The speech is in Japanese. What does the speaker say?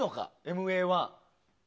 ＭＡ‐１。